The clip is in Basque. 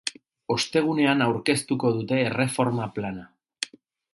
Ostegunean aurkeztuko dute erreforma plana.